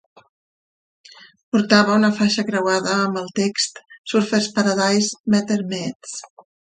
Portava una faixa creuada amb el text "Surfers Paradise Meter Maids".